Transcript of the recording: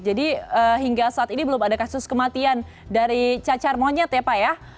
jadi hingga saat ini belum ada kasus kematian dari cacar monyet ya pak ya